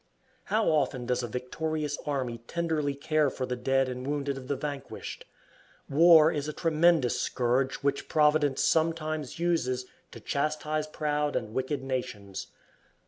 How often does a victorious army tenderly care for the dead and wounded of the vanquished. War is a tremendous scourge which Providence sometimes uses to chastise proud and wicked nations.